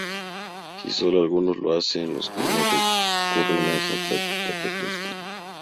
Si sólo algunos lo hacen, los que no recurren a esa práctica protestan.